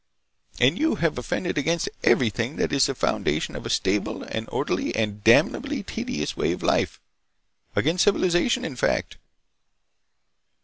And you have offended against everything that is the foundation of a stable and orderly and damnably tedious way of life—against civilization, in fact."